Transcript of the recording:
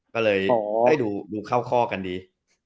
ก็เลยให้ดูเข้าข้อกันดี